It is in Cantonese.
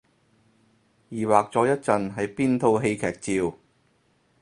疑惑咗一陣係邊套戲劇照